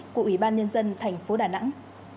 của ủy ban nhân dân thành phố đà nẵng